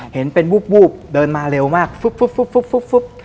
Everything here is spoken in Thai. เห็นเป็นวูบเดินมาเร็วมาก